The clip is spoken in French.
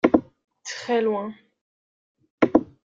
Très loin...